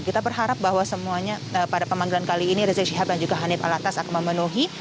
kita berharap bahwa semuanya pada pemanggilan kali ini rizik syihab dan juga hanif alatas akan memenuhi